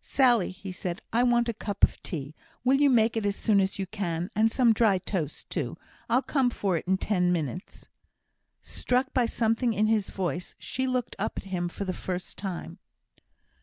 "Sally," he said, "I want a cup of tea. Will you make it as soon as you can; and some dry toast too? I'll come for it in ten minutes." Struck by something in his voice, she looked up at him for the first time.